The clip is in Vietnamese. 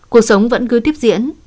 cuộc sống vẫn cứ tiếp diễn